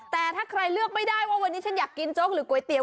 แต่ถ้าใครเลือกไม่ได้ว่าวันนี้ฉันอยากกินโจ๊กหรือก๋วยเตี๋